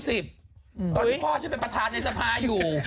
ตอนนี้พ่อฉันเป็นประธานในสภาอยู่